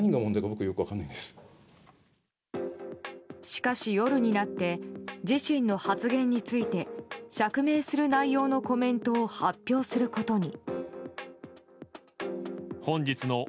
しかし、夜になって自身の発言について釈明する内容のコメントを発表することに。